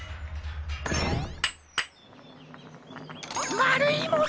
まるいもの！